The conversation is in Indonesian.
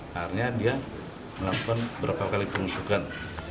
akhirnya dia melakukan berapa kali penusukan